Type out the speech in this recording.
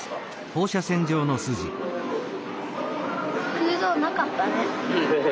空洞なかったね。